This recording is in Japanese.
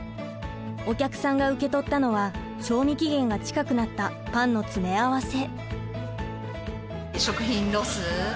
お客さんが受け取ったのは賞味期限が近くなったパンの詰め合わせ。